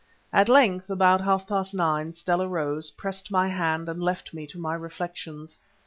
At length, about half past nine, Stella rose, pressed my hand, and left me to my reflections.